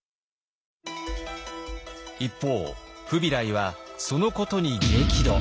一方フビライはそのことに激怒。